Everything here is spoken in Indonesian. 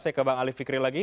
saya ke bang ali fikri lagi